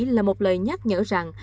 là một lời nhắc nhở rằng